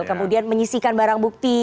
kemudian menyisikan barang bukti